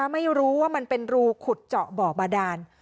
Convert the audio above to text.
ไม่รู้ว่ามันเป็นรูขุดเจาะบ่อบาดาน